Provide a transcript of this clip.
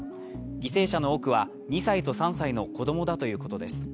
犠牲者の多くは２歳と３歳の子供だということです。